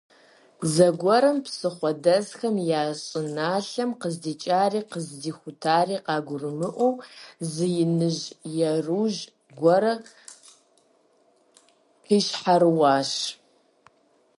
Зэгуэрым псыхъуэдэсхэм я щӀыналъэм, къыздикӀари къыздихутари къагурымыӀуэу, зы иныжь еруужь гуэр къищхьэрыуащ.